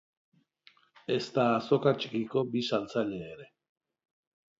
Ezta azoka txikiko bi saltzaile ere.